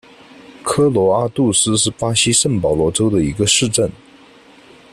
科罗阿杜斯是巴西圣保罗州的一个市镇。